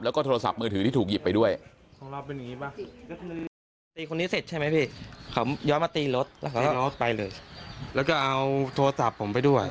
แล้วก็โทรศัพท์มือถือที่ถูกหยิบไปด้วย